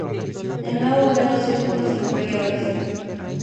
De nuevo ve los círculos inferiores.